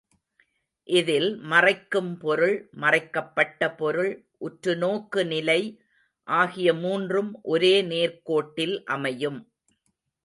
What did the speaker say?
இதில் மறைக்கும் பொருள், மறைக்கப்பட்ட பொருள், உற்றுநோக்கு நிலை ஆகிய மூன்றும் ஒரே நேர்க் கோட்டில் அமையும்.